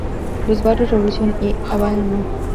Los barrios Revolución y Habana No.